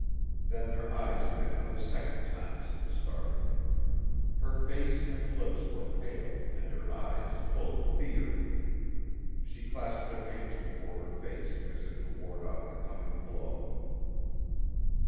Then their eyes met for the second time since starting. Her face and lips were pale, and her eyes full of fear. She clasped her hands before her face as if to ward off the coming blow.